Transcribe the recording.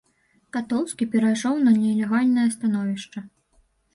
Катоўскі перайшоў на нелегальнае становішча.